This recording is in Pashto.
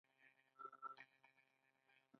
افغانستان د لیتیم لویې زیرمې لري